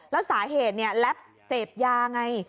แล้วสาเหตุเนี่ยแล้วเสพยาไง